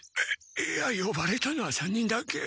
いいやよばれたのは３人だけ。